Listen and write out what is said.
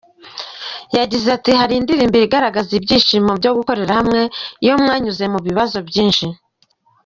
Yagize ati “Hari indirimbo igaragaza ibyishimo byo gukorera hamwe iyo mwanyuze mu bibazo byinshi.